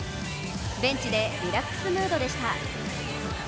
ベンチでリラックスムードでした。